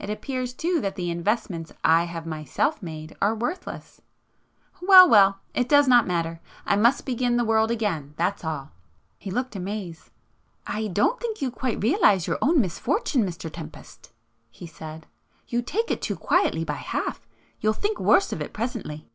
It appears too that the investments I have myself made are worthless;—well, well!—it does not matter,—I must begin the world again, that's all!" He looked amazed. "I don't think you quite realize your own misfortune, Mr Tempest"—he said—"You take it too quietly by half. You'll think worse of it presently."